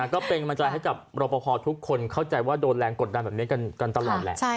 ก็เป็นกำลังใจให้กับรอปภทุกคนเข้าใจว่าโดนแรงกดดันแบบนี้กันตลอดแหละ